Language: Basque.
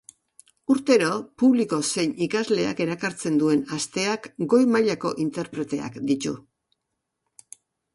Urtero publiko zein ikasleak erakartzen duen asteak, goi mailako interpreteak ditu.